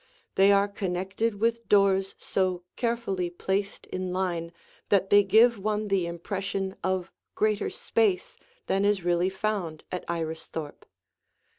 They are connected with doors so carefully placed in line that they give one the impression of greater space than is really found at Iristhorpe.